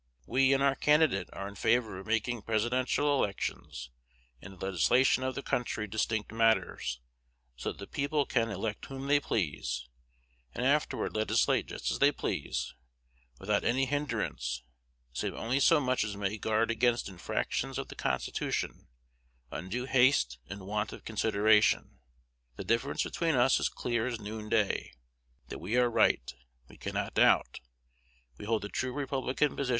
We and our candidate are in favor of making Presidential elections and the legislation of the country distinct matters; so that the people can elect whom they please, and afterward legislate just as they please, without any hinderance, save only so much as may guard against infractions of the Constitution, undue haste, and want of consideration. The difference between us is clear as noonday. That we are right, we cannot doubt. We hold the true republican position.